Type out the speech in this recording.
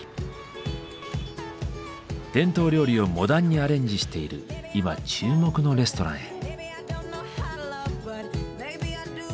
伝統料理をモダンにアレンジしている今注目のレストランへ。